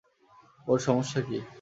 ওর সমস্যা কী?